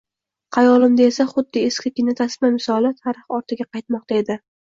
Xayolimda esa..., xuddi eski kinotasma misoli tarix ortiga qaytmoqda edi.